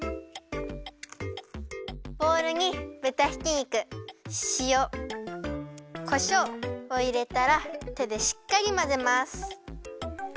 ボウルにぶたひき肉しおこしょうをいれたらてでしっかりまぜます。